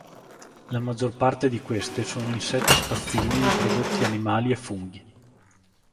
La maggior parte di queste sono insetti spazzini di prodotti animali e funghi.